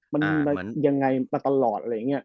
มันยังไงมาตลอด